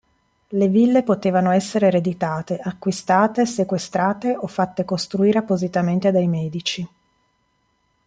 Le ville potevano essere ereditate, acquistate, sequestrate o fatte costruire appositamente dai Medici.